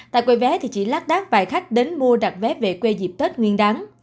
tại quầy vé thì chỉ lát đát vài khách đến mua đặt vé về quê dịp tết nguyên đáng